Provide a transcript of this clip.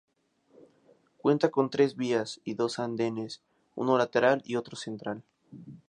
Cuenta con tres vías, y dos andenes, uno lateral y otro central.